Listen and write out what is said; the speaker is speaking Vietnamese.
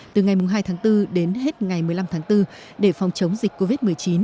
từ ngày hai tháng bốn đến hết ngày một mươi năm tháng bốn để phòng chống dịch covid một mươi chín